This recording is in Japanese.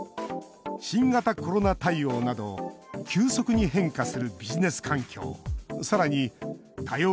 新型コロナ対応など急速に変化するビジネス環境。